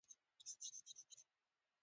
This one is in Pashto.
وایي چې منډه کړې، نو خپله کونه به بربنډه کړې.